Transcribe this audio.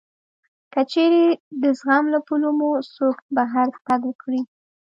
که چېرې د زغم له پولو مو څوک بهر تګ وکړي